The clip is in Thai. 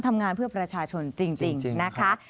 ทำงานเพื่อประชาชนจริงนะคะ